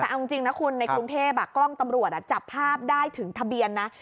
แต่เอาจริงนะคุณในกรุงเทพกล้องตำรวจจับภาพได้ถึงทะเบียนนะ